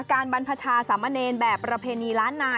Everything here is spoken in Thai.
บรรพชาสามเณรแบบประเพณีล้านนา